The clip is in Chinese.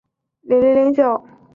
高斯是一对普通夫妇的儿子。